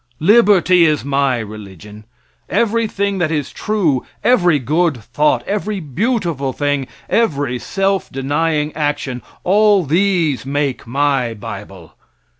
Liberty is my religion everything that is true, every good thought, every beautiful thing, every self denying action all these make my bible.